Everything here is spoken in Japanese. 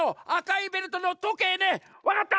☎わかった！